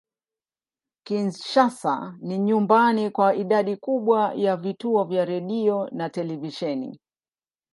Kinshasa ni nyumbani kwa idadi kubwa ya vituo vya redio na televisheni.